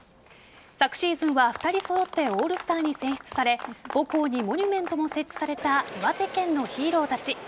昨シーズンは２人揃ってオールスターに選出され母校にモニュメントも設置された岩手県のヒーローたち。